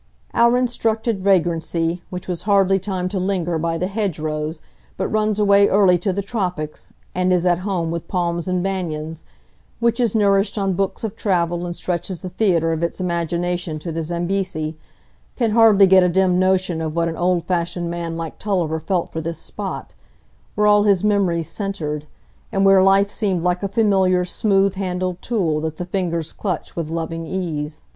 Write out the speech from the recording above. Our instructed vagrancy, which has hardly time to linger by the hedgerows, but runs away early to the tropics, and is at home with palms and banyans,—which is nourished on books of travel and stretches the theatre of its imagination to the Zambesi,—can hardly get a dim notion of what an old fashioned man like Tulliver felt for this spot, where all his memories centred, and where life seemed like a familiar smooth handled tool that the fingers clutch with loving ease.